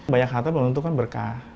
banyak hal itu kan berkah